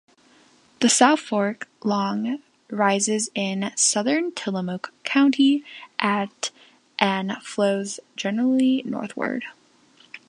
The South Fork, long, rises in southern Tillamook County at and flows generally northward.